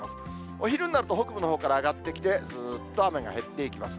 お昼になると北部のほうから上がってきて、すーっと雨が減ってきます。